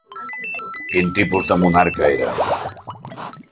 Quin tipus de monarca era?